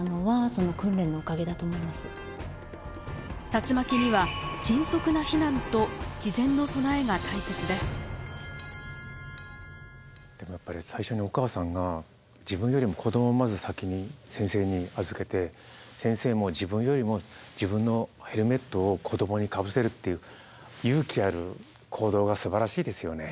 竜巻にはでもやっぱり最初にお母さんが自分よりも子供をまず先に先生に預けて先生も自分よりも自分のヘルメットを子供にかぶせるっていう勇気ある行動がすばらしいですよね。